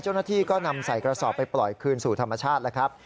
เจ้าหน้าที่ก็นำใส่กระสอบไปปล่อยคืนสู่ธรรมชาติแล้วครับ